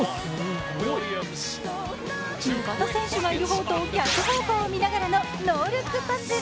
味方選手がいる方と逆方向を見ながらのノールックパス。